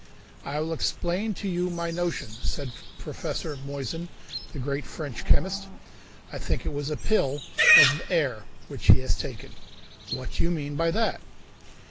"I will explain to you my notion," said Professor Moissan, the great French chemist. "I think it was a pill of the air, which he has taken." "What do you mean by that?"